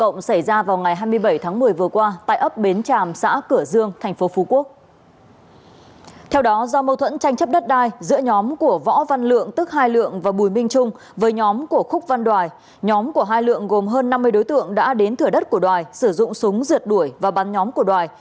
nhóm của hai lượng gồm hơn năm mươi đối tượng đã đến thửa đất của đoài sử dụng súng rượt đuổi và bắn nhóm của đoài